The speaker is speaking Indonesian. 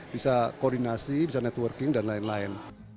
bisa koordinasi bisa networking dan lain lain